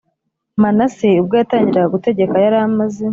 Manase ubwo yatangiraga gutegeka yari amaze